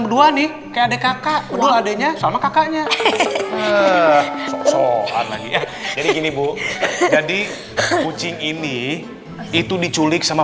berdua nih kayak adek dek adeknya sama kakaknya jadi gini bu jadi kucing ini itu diculik sama